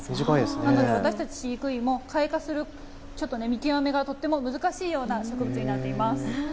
なので私たち飼育員も開花する見極めが難しいような植物になっています。